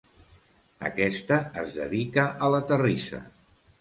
Aquesta es dedica a la terrissa.